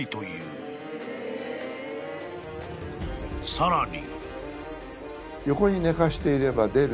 ［さらに］